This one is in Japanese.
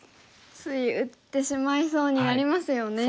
つい打ってしまいそうになりますよね。